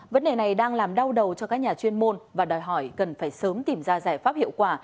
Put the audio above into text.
vấn đề này đang làm đau đầu cho các nhà chuyên môn và đòi hỏi cần phải sớm tìm ra giải pháp hiệu quả